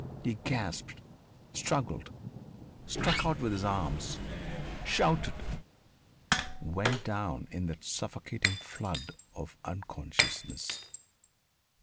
He gasped, struggled, struck out with his arms, shouted, went down in that suffocating flood of unconsciousness....